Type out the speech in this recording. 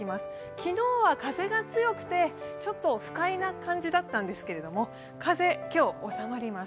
昨日は風が強くてちょっと不快な感じだったんですけれども、風、今日は収まります。